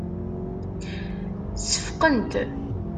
Seffqent.